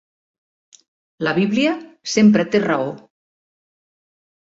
La Bíblia sempre té raó.